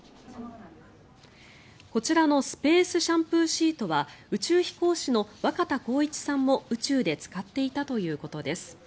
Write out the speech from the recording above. こちらのスペースシャンプーシートは宇宙飛行士の若田光一さんも宇宙で使っていたということです。